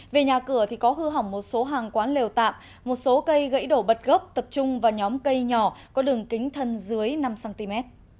về nhà cửa thì có hư hỏng một số hàng quán lều tạm một số cây gãy đổ bật gốc tập trung vào nhóm cây nhỏ có đường kính thân dưới năm cm